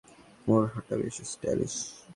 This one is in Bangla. ওর হাঁটা বেশ স্টাইলিশ।